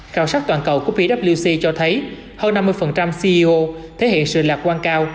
khảo sát toàn cầu của pwc cho thấy hơn năm mươi ceo thể hiện sự lạc quan cao